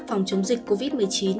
phòng chống dịch covid một mươi chín